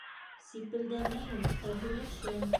Сипелдәмәйем, ә һөйләшәм.